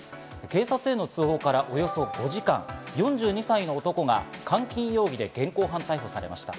警察への通報からおよそ５時間、４２歳の男が監禁容疑で現行犯逮捕されました。